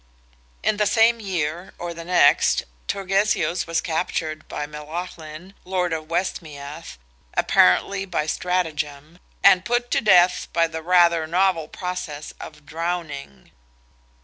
In the same year, or the next, Turgesius was captured by Melaghlin, Lord of Westmeath, apparently by stratagem, and put to death by the rather novel process of drowning.